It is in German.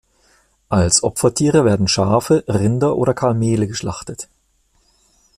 Als Opfertiere werden Schafe, Rinder oder Kamele geschlachtet.